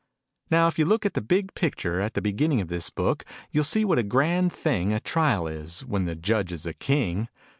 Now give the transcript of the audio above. Now, if you look at the big picture, at the beginning of this book, you'll see what a grand thing a trial is, when the Judge is a King